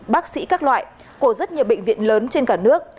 bác sĩ các loại của rất nhiều bệnh viện lớn trên cả nước